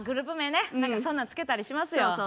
なんかそんなん付けたりしますよ。